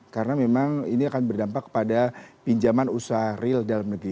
karena memang ini akan berdampak pada pinjaman usaha real dalam negeri